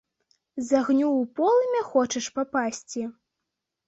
З агню ў полымя хочаш папасці?